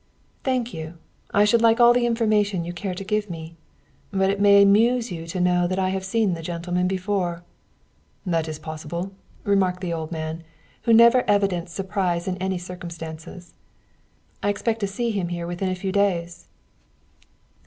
"Thank you. I should like all the information you care to give me; but it may amuse you to know that I have seen the gentleman before." "That is possible," remarked the old man, who never evinced surprise in any circumstances. "I expect to see him here within a few days."